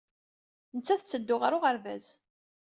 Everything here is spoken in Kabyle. Nettat tetteddu ɣer uɣerbaz.